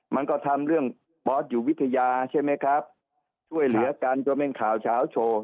มันก็ทำเรื่องบอสอยู่วิทยาใช่ไหมครับช่วยเหลือกันจนเป็นข่าวเช้าโชว์